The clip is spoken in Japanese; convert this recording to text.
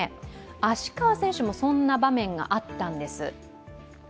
芦川選手もそんな場面があったんです。